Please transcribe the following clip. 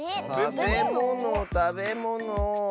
たべものたべもの。